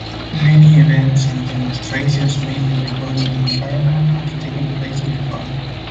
Many events and demonstrations mainly regarding the environment have taken place in the park.